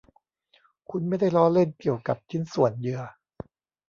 คุณไม่ได้ล้อเล่นเกี่ยวกับชิ้นส่วนเหยื่อ